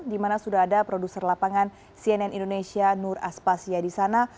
di mana sudah ada produser lapangan cnn indonesia nur aspasya di sana